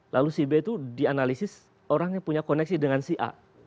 lalu si b itu dianalisis orang yang punya koneksi dengan si a